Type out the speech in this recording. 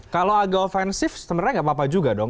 kalau agak offensif sebenarnya tidak apa apa juga dong